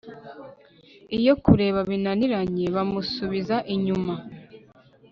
iyo kureba binaniranye bamusubiza inyuma